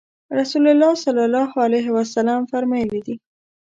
رسول الله صلی الله علیه وسلم فرمایلي دي